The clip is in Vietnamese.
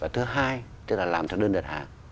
thứ hai tức là làm cho đơn đợt hạ